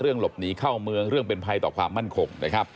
เรื่องหลบหนีเข้าเมืองเรื่องเป็นภัยต่อความมั่นคม